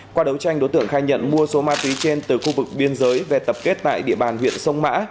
qua đấu tranh đối tượng khai nhận mua số ma túy trên từ khu vực biên giới về tập kết tại địa bàn huyện sông mã